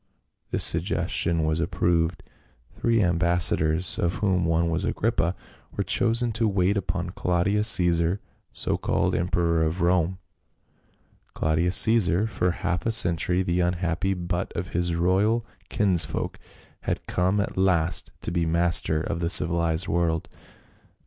This suggestion was approved ; three ambassadors, of whom one was Agrippa, were chosen to wait upon Claudius Caesar, so called emperor of Rome. Claudius Caesar, for half a century the unhappy butt of his royal kinsfolk, had come at last to be master of the civilized world.